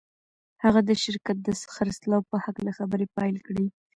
هغه د شرکت د خرڅلاو په هکله خبرې پیل کړې